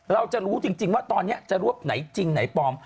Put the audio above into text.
เราจะรู้จริงว่าตอนนี้จะรวบไหนจริงไหนปลอม